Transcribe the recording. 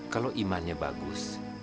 kalau imannya bagus